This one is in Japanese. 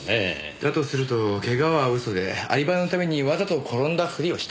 だとするとけがは嘘でアリバイのためにわざと転んだフリをした。